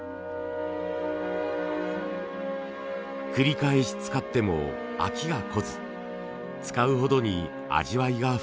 繰り返し使っても飽きがこず使うほどに味わいが深まる。